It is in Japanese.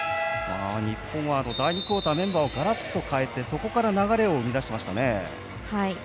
日本は第２クオーターメンバーをガラッと変えてそこから流れを生み出しましたね。